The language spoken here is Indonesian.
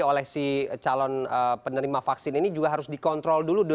oleh si calon penerima vaksin ini juga harus dikontrol dulu